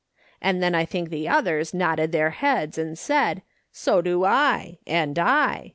And then I think the others nodded their heads, and said : So do I, and I.